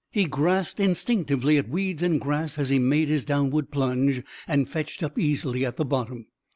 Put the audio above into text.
He grasped instinctively at weeds and grass as he made his downward plunge and fetched up easily at the bottom.